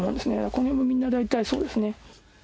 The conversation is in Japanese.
この辺もみんな大体そうですね